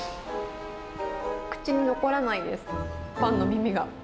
口に残らないです、パンの耳が。